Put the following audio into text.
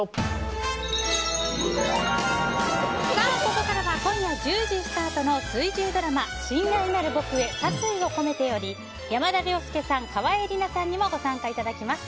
ここからは今夜１０時スタートの水１０ドラマ「親愛なる僕へ殺意をこめて」より山田涼介さん、川栄李奈さんにもご参加いただきます。